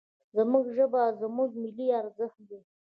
زموږ ژبه، زموږ ملي ارزښت دی.